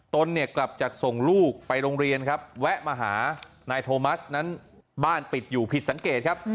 ตนเนี่ยกลับจากส่งลูกไปโรงเรียนครับแวะมาหานายโทมัสนั้นบ้านปิดอยู่ผิดสังเกตครับ